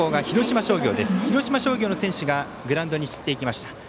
広島商業の選手がグラウンドに散っていきました。